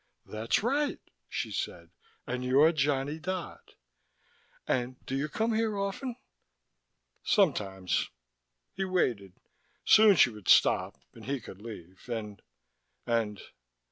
"That's right," she said. "And you're Johnny Dodd. And do you come here often?" "... Sometimes." He waited. Soon she would stop, and he could leave, and.... And?